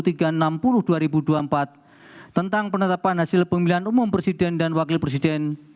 dengan tanda tanda hasil pemilihan umum presiden dan wakil presiden